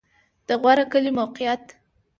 د غور کلی موقعیت